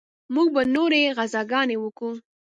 موږ به نورې غزاګانې وکو.